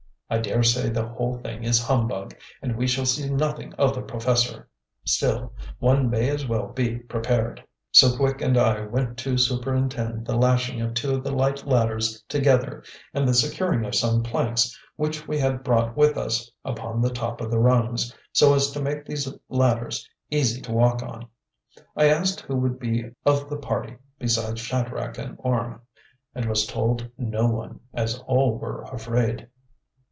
I daresay the whole thing is humbug, and we shall see nothing of the Professor; still, one may as well be prepared." So Quick and I went to superintend the lashing of two of the light ladders together and the securing of some planks which we had brought with us upon the top of the rungs, so as to make these ladders easy to walk on. I asked who would be of the party besides Shadrach and Orme, and was told no one, as all were afraid.